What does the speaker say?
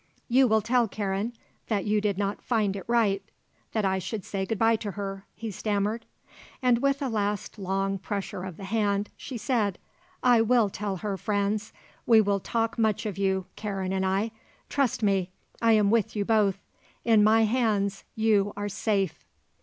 "You will tell Karen that you did not find it right that I should say good bye to her," he stammered. And with a last long pressure of the hand she said: "I will tell her, Franz. We will talk much of you, Karen and I. Trust me, I am with you both. In my hands you are safe."